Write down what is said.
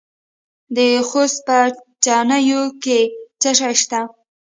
د خوست په تڼیو کې څه شی شته؟